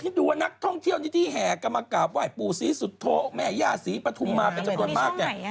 คุณดูวะนักท่องเที่ยวนี้ที่แห่กลับมากราบไหว้ปูศีสุทธโต้แม่ย่าสีประถุมมาเป็นจัดกรรมมากเนี่ย